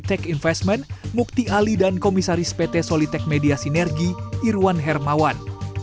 ketua komunikasi teknologi mukti ali dan komisaris pt solitech media sinergi irwan hermawan